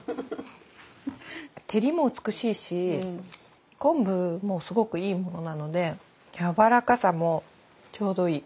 照りも美しいし昆布もすごくいいものなのでやわらかさもちょうどいい。